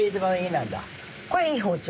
これいい包丁？